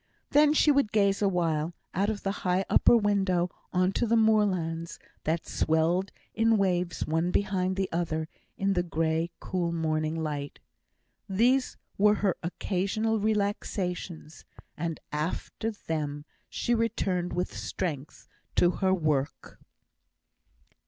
Then she would gaze awhile out of the high upper window on to the moorlands, that swelled in waves one behind the other, in the grey, cool morning light. These were her occasional relaxations, and after them she returned with strength to her work.